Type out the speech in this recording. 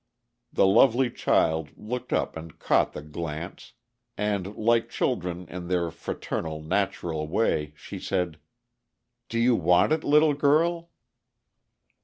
The lovely child looked up and caught the glance; and, like children in their fraternal, natural way, she said, "Do you want it, little girl?"